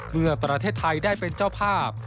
เมื่อประเทศไทยได้เป็นเจ้าภาพ